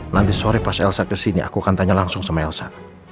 nanti sore pas elsa kesini aku akan tanya langsung sama elsa